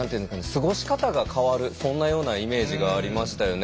過ごし方が変わるそんなようなイメージがありましたよね。